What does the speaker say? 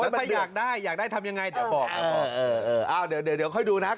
ว่าถ้าอยากได้ทำยังไงเดี๋ยวบอก